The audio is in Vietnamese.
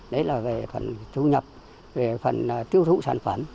đấy là về phần thu nhập về phần tiêu thụ sản phẩm